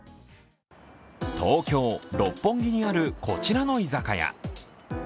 東京・六本木にあるこちらの居酒屋。